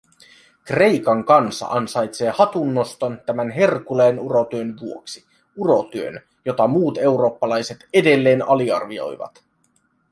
Kreikan kansa ansaitsee hatunnoston tämän Herkuleen urotyön vuoksi, urotyön, jota muut eurooppalaiset edelleen aliarvioivat.